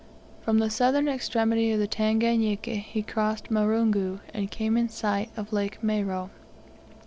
From the southern extremity of the Tanganika he crossed Marungu, and came in sight of Lake Moero.